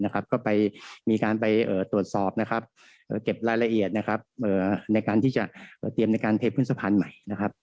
ก็ไปมีการไปตรวจสอบเก็บรายละเอียดในการที่จะเตรียมในการเทพื้นสะพานใหม่นะครับ